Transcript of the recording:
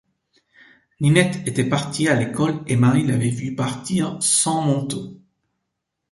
Ninette était partie à l’école et Marie l’avait vue partir sans manteau.